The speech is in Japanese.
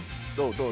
どう？